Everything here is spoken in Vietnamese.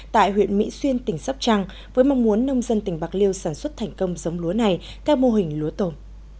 tại huyện mỹ xuyên tỉnh sóc trăng với mong muốn nông dân tỉnh bạc liêu sản xuất thành công giống lúa này các mô hình lúa tồn